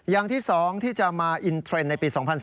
อย่างที่๒ที่จะมาอินเทรนด์ในปี๒๐๑๙